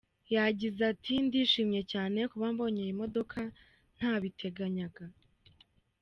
Yagize ati “Ndishimye cyane kuba mbonye iyi modoka ntabiteganyaga.